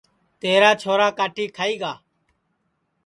تیرا چھورا کاٹی کھائی گا